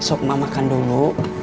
sok mak makan dulu